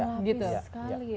lapis sekali ya